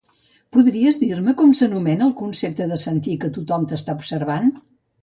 Podries dir-me com s'anomena el concepte de sentir que tothom t'està observant?